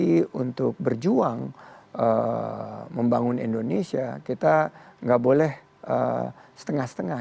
di posisi untuk berjuang membangun indonesia kita gak boleh setengah setengah